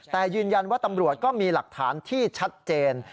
แต่ยืนยันว่าตำรวจก็มีหลักฐานที่ชัดเจน